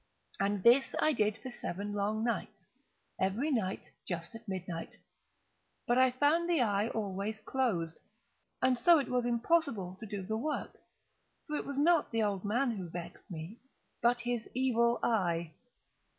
And this I did for seven long nights—every night just at midnight—but I found the eye always closed; and so it was impossible to do the work; for it was not the old man who vexed me, but his Evil Eye.